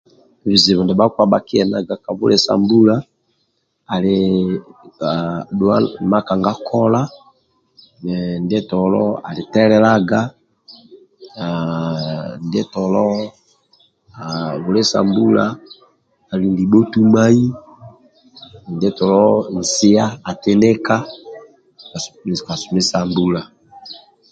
Bizibu ndia bhakpa bhakienaga ka bwile sa mbulu ali kola dhua makakaga kola ndie tolo ali telelega haaa ndie tolo haaa bwile sa mbula ali libho tumai ndie tolo nsia tinika busumi sa mbula